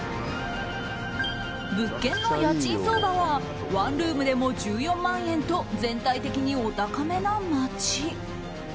物件の家賃相場はワンルームでも１４万円と全体的にお高めな街。